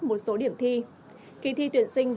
một số điểm thi kỳ thi tuyển sinh